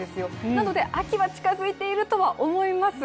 なので秋は近づいているとは思います。